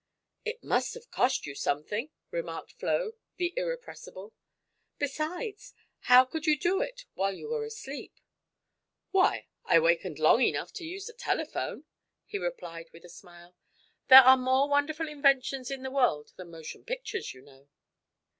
"It must have cost you something!" remarked Flo, the irrepressible. "Besides, how could you do it while you were asleep?" "Why, I wakened long enough to use the telephone," he replied with a smile. "There are more wonderful inventions in the world than motion pictures, you know."